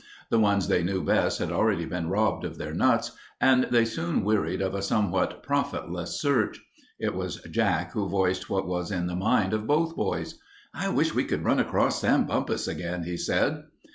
The ones they knew best had already been robbed of their nuts, and they soon wearied of a somewhat profitless search. It was Jack who voiced what was in the minds of both boys. "I wish we could run across Sam Bumpus again," he said.